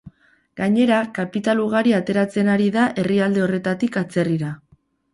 Gainera, kapital ugari ateratzen ari da herrialde horretatik atzerrira.